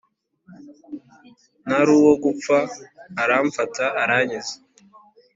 Naruwo gupfa aramfata arankiza